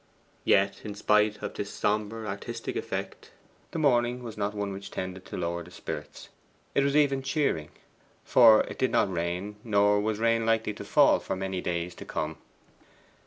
Yet in spite of this sombre artistic effect, the morning was not one which tended to lower the spirits. It was even cheering. For it did not rain, nor was rain likely to fall for many days to come.